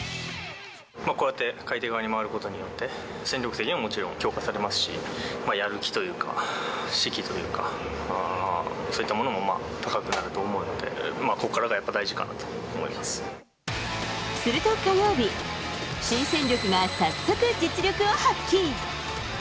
こうやって買い手側に回ることによって、戦力的にももちろん、強化されますし、やる気というか、士気というか、そういったものも高くなると思うので、ここからがすると火曜日、新戦力が早速、実力を発揮。